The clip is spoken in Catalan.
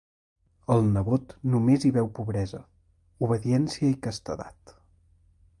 El nebot només hi veu pobresa, obediència i castedat.